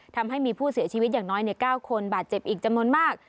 ทำให้มีผู้เสียชีวิตอย่างน้อย๙คนบาดเจ็บอีกจำนวนมาก